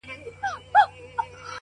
دا خصلت دی د کم ذاتو ناکسانو,